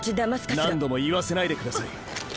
何度も言わせないでください。